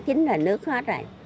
thì nước hết rồi